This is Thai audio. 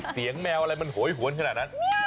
แมวอะไรมันโหยหวนขนาดนั้น